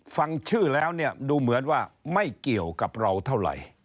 ฟังชื่อแล้วเนี่ยดูเหมือนว่าไม่เกี่ยวกับเราเท่าไหร่